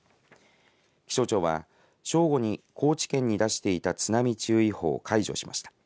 気象庁は正午に高知県に出していた津波注意報を解除しました。